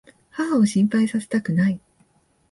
母を心配させたくない。